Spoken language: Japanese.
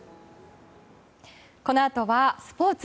このあとはスポーツ。